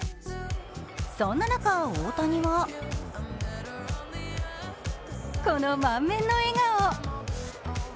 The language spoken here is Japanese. そんな中、大谷はこの満面の笑顔。